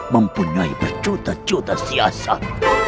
mempunyai berjuta juta siasat